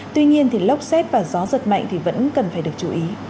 tuy nhiên lốc xét và gió giật mạnh thì vẫn cần phải được chú ý